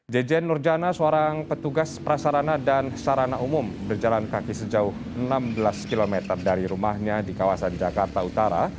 jejen nurjana seorang petugas prasarana dan sarana umum berjalan kaki sejauh enam belas km dari rumahnya di kawasan jakarta utara